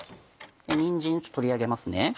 にんじん取り上げますね。